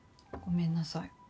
ごめんなさい。